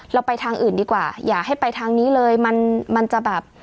ไปทางอื่นดีกว่าอย่าให้ไปทางนี้เลยมันมันจะแบบ